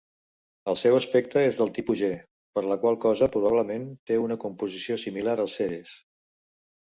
El seu espectre és del tipus G, per la qual cosa probablement té una composició similar al Ceres.